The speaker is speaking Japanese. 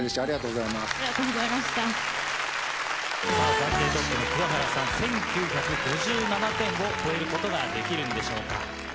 暫定トップの桑原さん１９５７点を超えることができるんでしょうか？